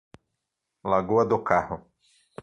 Lagoa do Carro